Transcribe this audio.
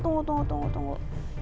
tunggu tunggu tunggu